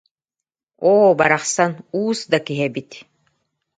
Оо, барахсан, уус да киһи эбит